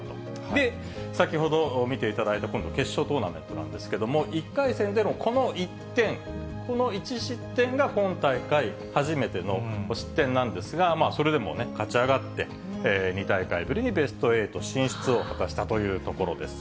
で、先ほど見ていただいた、今度、決勝トーナメントなんですけれども、１回戦でのこの１点、この１失点が今大会初めての失点なんですが、それでもね、勝ち上がって、２大会ぶりにベスト８進出を果たしたというところです。